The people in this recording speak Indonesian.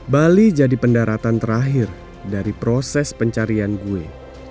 bali jadi pendaratan terakhir dari proses pencarian gue